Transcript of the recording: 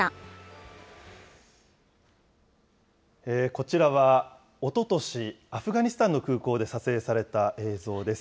こちらはおととし、アフガニスタンの空港で撮影された映像です。